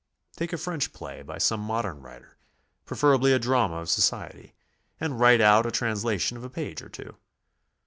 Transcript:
Take a French play by some modern writer, preferably a drama of society, and write out a translation of a page or two.